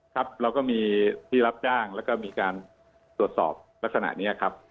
ครับเราก็มีที่รับจ้างแล้วก็มีการตรวจสอบลักษณะนี้ครับ